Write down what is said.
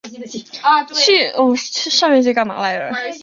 某天被夺魂锯的拼图杀人魔抓去玩死亡游戏。